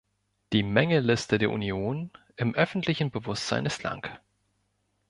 Die Mängelliste der Union im öffentlichen Bewusstsein ist lang.